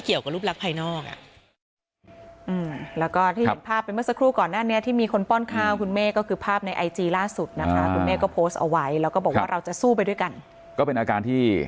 เราอยากทำให้เค้าเห็นว่า